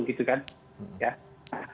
kalau terpaksa dilakukan lakukan dengan berhati hati